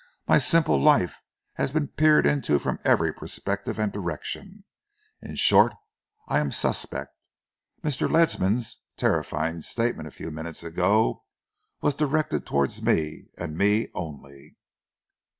My simple life has been peered into from every perspective and direction. In short, I am suspect. Mr. Ledsam's terrifying statement a few minutes ago was directed towards me and me only."